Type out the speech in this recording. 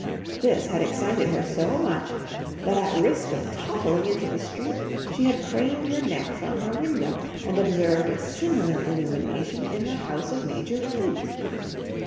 This had excited her so much that at risk of toppling into the street, she had craned her neck from her window, and observed a similar illumination in the house of Major Flint.